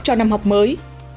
cho năm học mới